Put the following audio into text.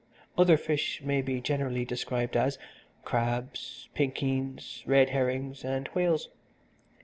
Other fish may be generally described as, crabs, pinkeens, red herrings and whales.